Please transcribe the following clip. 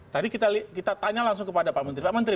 tadi kita tanya langsung kepada pak menteri